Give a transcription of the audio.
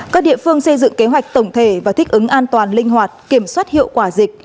các địa phương xây dựng kế hoạch tổng thể và thích ứng an toàn linh hoạt kiểm soát hiệu quả dịch